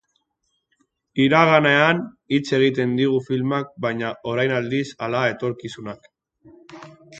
Iraganean hitz egiten digu filmak, baina orainaldiaz ala etorkizunaz?